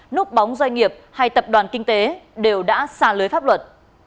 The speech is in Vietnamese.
núp bóng doanh nghiệp hay tập đoàn kinh tế đều đã xa lưới pháp luật